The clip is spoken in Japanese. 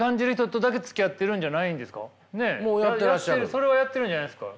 それはやっているんじゃないんですか。